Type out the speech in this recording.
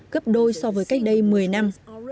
cấp đôi so với cách đây một mươi năm